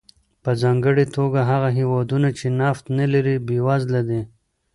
په ځانګړې توګه هغه هېوادونه چې نفت نه لري بېوزله دي.